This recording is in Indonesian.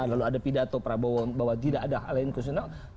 lalu ada pidato prabowo bahwa tidak ada hal yang inklusional